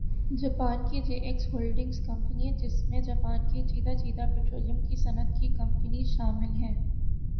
Japan کی J X holdings company جس میں جاپان کی چیدہ چیدہ پٹرولیم کی صنعت کی کمپنیز شامل ہیں